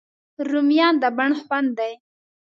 رومیان د بڼ خوند دي